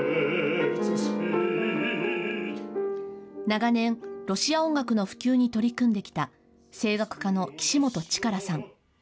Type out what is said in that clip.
長年、ロシア音楽の普及に取り組んできた、声楽家の岸本力さん。